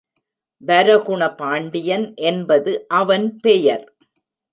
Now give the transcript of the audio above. வரகுண பாண்டியன் என்பது அவன் பெயர்.